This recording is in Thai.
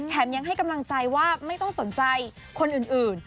ยังให้กำลังใจว่าไม่ต้องสนใจคนอื่น